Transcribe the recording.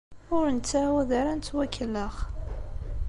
Ur nettɛawad ara ad nettwakellex.